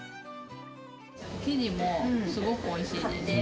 生地もすごくおいしいです。